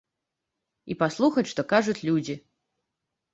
І паслухаць, што кажуць людзі.